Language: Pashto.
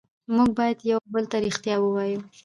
موږ باید یو بل ته ریښتیا ووایو